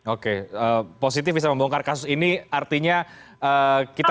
oke positif bisa membongkar kasus ini artinya kita